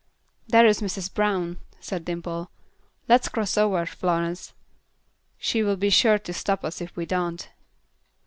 "There is Mrs. Brown," said Dimple; "let's cross over, Florence, she will be sure to stop us if we don't."